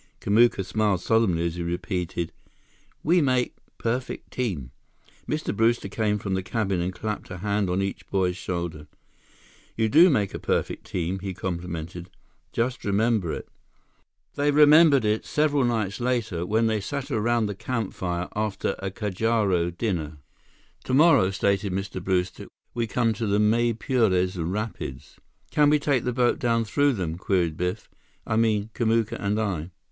Kamuka smiled solemnly as he repeated: "We make—perfect team." Mr. Brewster came from the cabin and clapped a hand on each boy's shoulder. "You do make a perfect team," he complimented. "Just remember it." They remembered it, several nights later, when they sat around the campfire after a cajaro dinner. "Tomorrow," stated Mr. Brewster, "we come to the Maipures Rapids." "Can we take the boat down through them?" queried Biff. "I mean, Kamuka and I?"